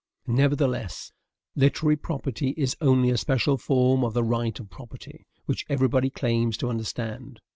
Nevertheless, literary property is only a special form of the right of property, which everybody claims to understand.